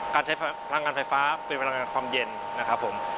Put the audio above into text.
การใช้พลังงานไฟฟ้าเป็นพลังงานความเย็นนะครับผม